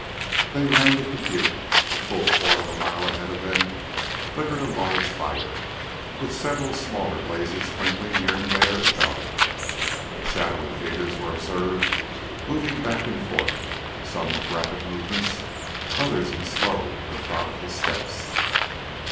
They rounded the butte. A full quarter of a mile ahead of them flickered a large fire, with several smaller blazes twinkling here and there about it. Shadowy figures were observed moving back and forth, some with rapid movements, others in slow, methodical steps.